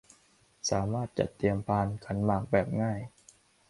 สามารถจัดเตรียมพานขันหมากแบบง่าย